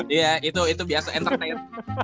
iya itu itu biasa entertain